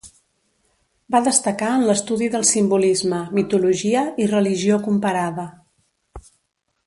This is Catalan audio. Va destacar en l'estudi del simbolisme, mitologia, i religió comparada.